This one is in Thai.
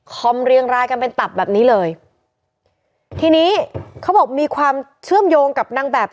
เรียงรายกันเป็นตับแบบนี้เลยทีนี้เขาบอกมีความเชื่อมโยงกับนางแบบ